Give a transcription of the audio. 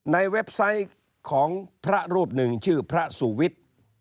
เว็บไซต์ของพระรูปหนึ่งชื่อพระสุวิทย์